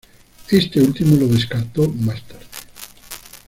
Este último lo descartó más tarde.